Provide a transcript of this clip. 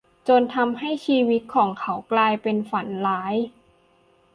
จนทำให้ชีวิตของเขากลายเป็นฝันร้าย